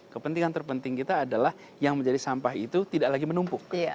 kepentingan terpenting kita adalah yang menjadi sampah itu tidak lagi menumpuk